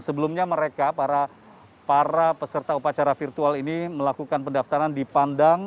sebelumnya mereka para peserta upacara virtual ini melakukan pendaftaran di pandang com